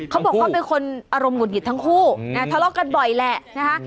เขาบอกเขาเป็นคนอารมณ์หุดหงิดทั้งคู่นะทะเลาะกันบ่อยแหละนะคะ